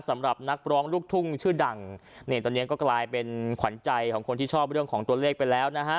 สำหรับนักร้องลูกทุ่งชื่อดังนี่ตอนนี้ก็กลายเป็นขวัญใจของคนที่ชอบเรื่องของตัวเลขไปแล้วนะฮะ